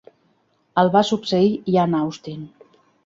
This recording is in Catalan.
El va succeir Ian Austin.